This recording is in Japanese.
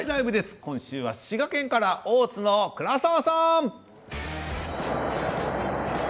今週は滋賀県から大津の倉沢さん。